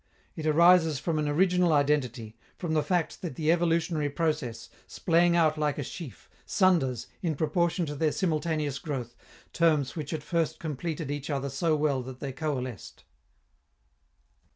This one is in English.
It arises from an original identity, from the fact that the evolutionary process, splaying out like a sheaf, sunders, in proportion to their simultaneous growth, terms which at first completed each other so well that they coalesced.